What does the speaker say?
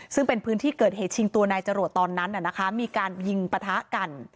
ซึ่งเป็นพื้นที่เกิดเหตุชิงตัวนายจรวดตอนนั้นมีการยิงปะทะกัน